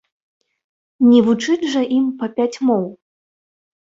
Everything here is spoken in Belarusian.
Не вучыць жа ім па пяць моў?